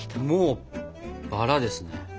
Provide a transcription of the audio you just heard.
もうバラですね。